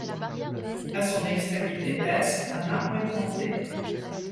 À son extrémité est, un arbre est planté.